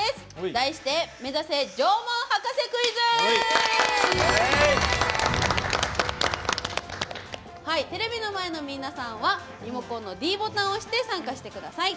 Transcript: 題して「目指せ！縄文博士クイズ」。テレビの前の皆さんはリモコンのｄボタンを押して参加してください。